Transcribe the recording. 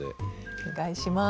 お願いします。